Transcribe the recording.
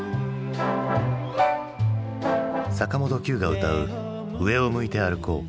坂本九が歌う「上を向いて歩こう」。